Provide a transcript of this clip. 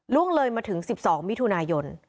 ล่วงเลยมาถึง๑๒มิถุนายน